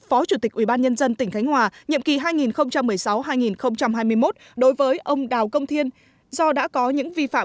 phó chủ tịch ubnd tỉnh khánh hòa nhiệm kỳ hai nghìn một mươi sáu hai nghìn hai mươi một đối với ông đào công thiên do đã có những vi phạm